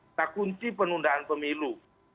kata kunci penundaan pemilu